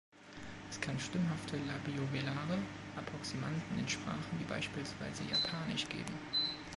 Es kann stimmhafte labiovelare Approximanten in Sprachen wie beispielsweise Japanisch geben.